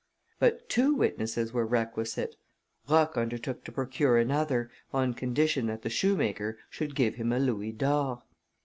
But two witnesses were requisite. Roch undertook to procure another, on condition that the shoemaker should give him a louis d'or.